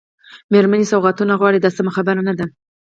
مېرمنې سوغاتونه غواړي دا سمه خبره نه ده.